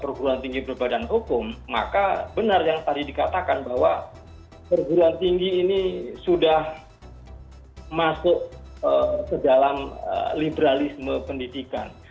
perguruan tinggi berbadan hukum maka benar yang tadi dikatakan bahwa perguruan tinggi ini sudah masuk ke dalam liberalisme pendidikan